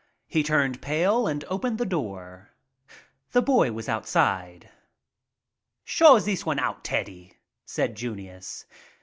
He turned pale and opened the door. The boy was outside. "Show this one out, Teddy," said Junius.